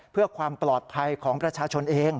เพื่อความปลอดภัยของประชาชนเอง